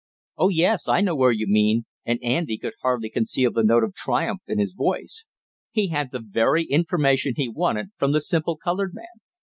"Oh, yes; I know where you mean!" and Andy could hardly conceal the note of triumph in his voice. He had the very information he wanted from the simple colored man.